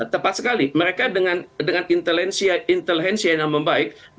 tepat sekali mereka dengan intelensi yang membaik